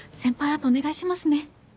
あとお願いしますね。